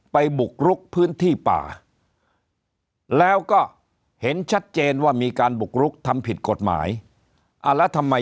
บุกรุกพื้นที่ป่าแล้วก็เห็นชัดเจนว่ามีการบุกรุกทำผิดกฎหมายอ่าแล้วทำไม